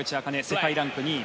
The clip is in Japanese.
世界ランク２位。